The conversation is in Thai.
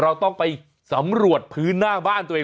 เพราะฉะนั้นเอามาฝากเตือนกันนะครับคุณผู้ชม